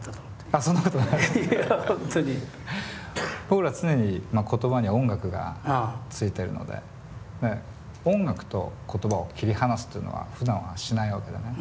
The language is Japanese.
僕ら常に言葉には音楽がついてるので音楽と言葉を切り離すというのはふだんはしないわけだよね。